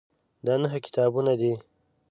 دا نهه کتابونه دي.